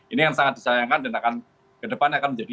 ini yang sangat disayangkan dan akan ke depan akan menjadi